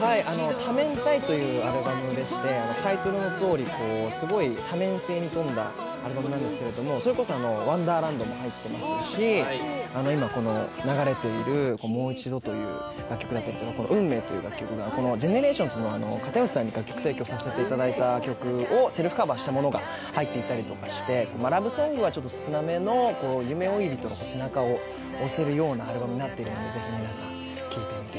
「多面態」というアルバムでして、タイトルのとおり多面性にそれこそ富んだアルバムなんですけれども、それこそ「ワンダーランド」も入ってますし今、流れている「もう一度」という曲や、「運命」という楽曲で、ＧＥＮＥＲＡＴＩＯＮＳの片寄さんに楽曲提供させていただいたものがセルフカバーしたものが入っていたりして、ラブソングは少なめの夢追い人の背中を押せるようなアルバムになっています。